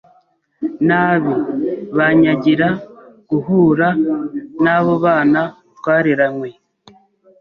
nabi banyagira guhura n’abo bana twareranywe